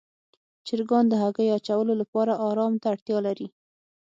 چرګان د هګیو اچولو لپاره آرام ته اړتیا لري.